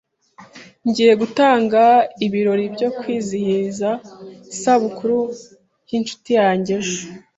Ngiye gutanga ibirori byo kwizihiza isabukuru yinshuti yanjye ejo.